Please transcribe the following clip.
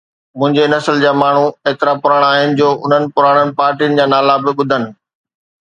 منهنجي نسل جا ماڻهو ايترا پراڻا آهن جو انهن پراڻن پارٽين جا نالا به ٻڌن.